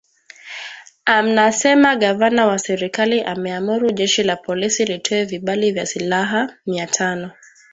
anasema gavana wa serikali ameamuru jeshi la polisi litoe vibali vya silaha mia tano